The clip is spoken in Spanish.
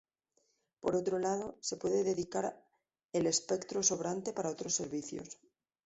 Por otro lado, se puede dedicar el espectro sobrante para otros servicios.